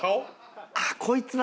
あっこいつは。